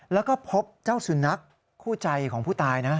แล้วก็พบเจ้าสุนัขคู่ใจของผู้ตายนะ